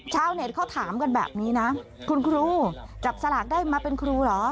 ชาวเน็ตเขาถามกันแบบนี้นะคุณครูจับสลากได้มาเป็นครูเหรอ